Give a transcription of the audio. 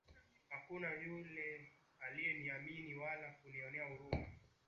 Hakuna yule aliyeniamini wala kunionea huruma.